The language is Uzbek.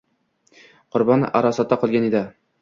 Qurbon arosatda qolgan edi